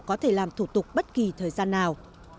có thể làm thủ tục bất kỳ thời gian nào